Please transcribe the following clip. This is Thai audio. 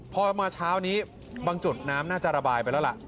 พอมาเช้านี้บางจุดน้ำน่าจะระบายไปแล้วล่ะ